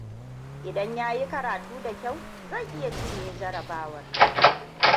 Idan ya yi karatu da kyau zai iya cinye jarabawar.